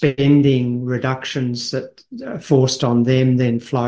pembelian yang diperlukan oleh mereka